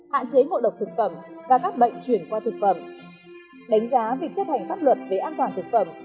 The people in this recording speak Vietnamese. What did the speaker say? hạn chế ngộ độc thực phẩm và các bệnh chuyển qua thực phẩm đánh giá việc chấp hành pháp luật về an toàn thực phẩm